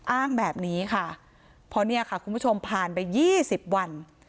อ้างแบบนี้ค่ะเพราะเนี่ยค่ะคุณผู้ชมผ่านไป๒๐วัน